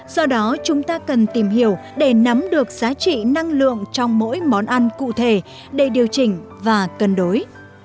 do đó chúng ta cần tìm hiểu để nắm được giá trị năng lượng trong mỗi món ăn cụ thể để điều chỉnh và cân đối